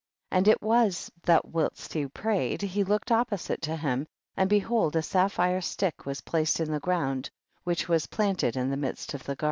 39. And it was that whilst he prayed he looked opposite to him, and behold a sapphire stick was placed in the ground, which was planted in the midst of the garden.